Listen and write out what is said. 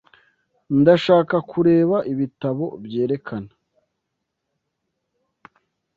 Ndashaka kureba ibitabo byerekana.